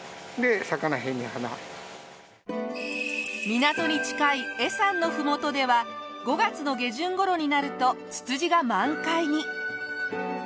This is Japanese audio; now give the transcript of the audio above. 港に近い恵山のふもとでは５月の下旬頃になるとツツジが満開に。